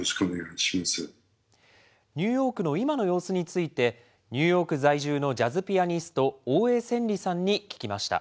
ニューヨークの今の様子について、ニューヨーク在住のジャズピアニスト、大江千里さんに聞きました。